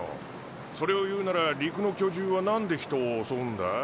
それを言うなら陸の巨獣はなんで人を襲うんだ？